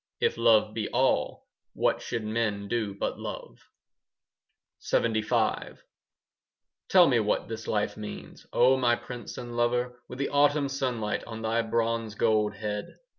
If love be all, What should men do but love? LXXV Tell me what this life means, O my prince and lover, With the autumn sunlight On thy bronze gold head?